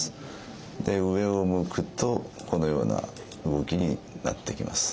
で上を向くとこのような動きになってきます。